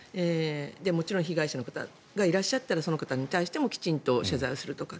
もちろん被害者の方がいらっしゃったらその方に対してもきちんと謝罪をするとか。